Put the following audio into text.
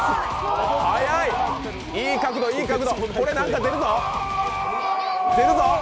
速い、いい角度、これ、何か出るぞ。